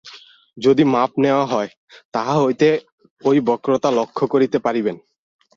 যদি মাপ নেওয়া হয়, তাহা হইলে ঐ বক্রতা লক্ষ্য করিতে পারিবেন।